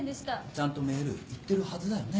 ちゃんとメールいってるはずだよね？